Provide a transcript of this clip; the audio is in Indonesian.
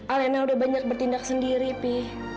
alina udah banyak bertindak sendiri pi